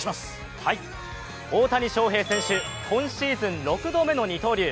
大谷翔平選手、今シーズン６度目の二刀流。